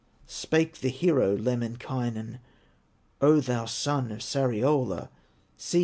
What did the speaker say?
Spake the hero, Lemminkainen: "O thou son of Sariola, See!